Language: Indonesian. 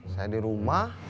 saya di rumah